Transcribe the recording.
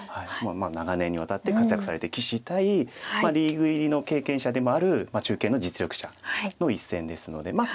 長年にわたって活躍されてる棋士対リーグ入りの経験者でもある中堅の実力者の一戦ですのでまあ